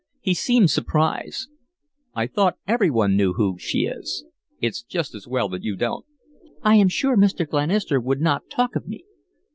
He seemed surprised. "I thought every one knew who she is. It's just as well that you don't." "I am sure Mr. Glenister would not talk of me."